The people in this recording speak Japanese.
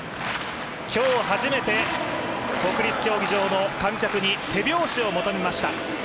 今日、初めて国立競技場の観客に手拍子を求めました。